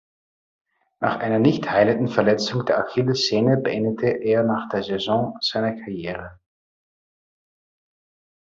Nach einer nicht heilenden Verletzung der Achillessehne beendete er nach der Saison seine Karriere.